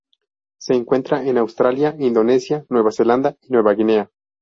Se encuentra en Australia, Indonesia, Nueva Zelanda y Nueva Guinea.